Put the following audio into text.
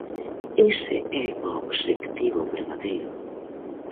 Ese é o obxectivo verdadeiro.